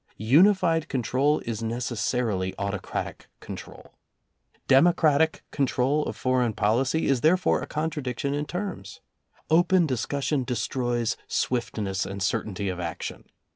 Uni fied control is necessarily autocratic control. Democratic control of foreign policy is therefore a contradiction in terms. Open discussion de stroys swiftness and certainty of action.